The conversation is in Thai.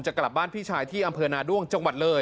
กลับบ้านพี่ชายที่อำเภอนาด้วงจังหวัดเลย